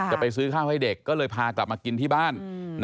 จะไปซื้อข้าวให้เด็กก็เลยพากลับมากินที่บ้าน